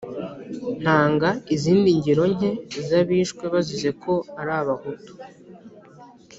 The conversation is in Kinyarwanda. ntanga izindi ngero nke z'abishwe bazize ko ari abahutu